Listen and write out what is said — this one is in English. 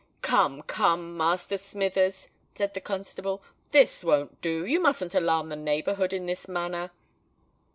"Come, come, Master Smithers," said the constable, "this won't do: you musn't alarm the neighbourhood in this manner."